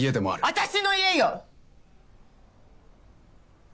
私の家よ！